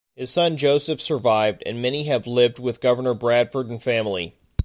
His son Joseph survived and may have lived with Governor Bradford and family.